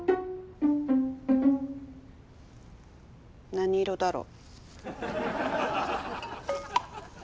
何色だろう？